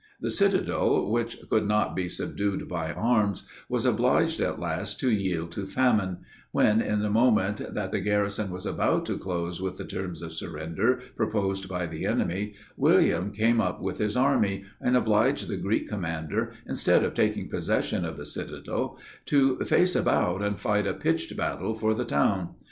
The citadel, which could not be subdued by arms, was obliged at last to yield to famine; when, in the moment that the garrison was about to close with the terms of surrender, proposed by the enemy, William came up with his army, and obliged the Greek commander, instead of taking possession of the citadel, to face about and fight a pitched battle for the town.